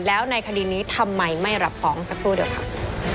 แล้วในคดีนี้ทำไมไม่รับฟ้องสักครู่เดียวครับ